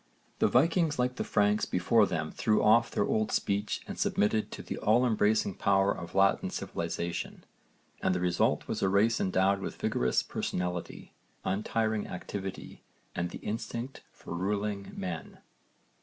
The Vikings like the Franks before them threw off their old speech and submitted to the all embracing power of Latin civilisation, and the result was a race endowed with vigorous personality, untiring activity, and the instinct for ruling men.